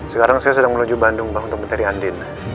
sekarang saya sedang menuju bandung mbak untuk mencari andin